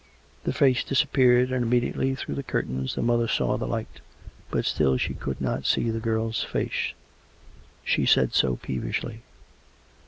" The face disappeared, and inamediately, through the curtains, the mother saw the light. But still she could not see the girl's face. She said so peevishly.